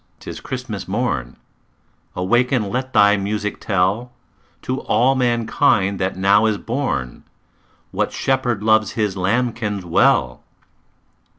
't is Christmas morn Awake and let thy music tell To all mankind that now is born What Shepherd loves His lambkins well!"